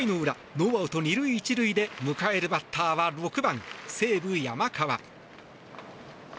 ノーアウト２塁１塁で迎えるバッターは６番、西武、山川。